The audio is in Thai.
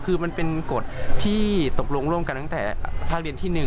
คือมันเป็นกฎที่ตกลงร่วมกันตั้งแต่ภาคเรียนที่๑